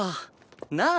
なあ？